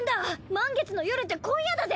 満月の夜って今夜だぜ！